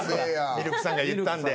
みるくさんが言ったんで。